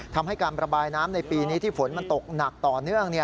ทำให้การระบายน้ำในปีนี้ที่ฝนมันตกหนักต่อเนื่อง